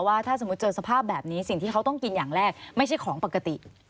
ว่าถ้าสมมุติเจอสภาพแบบนี้สิ่งที่เขาต้องกินอย่างแรกไม่ใช่ของปกติ